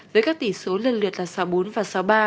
với các tỉ số lần lượt là sáu bốn và sáu ba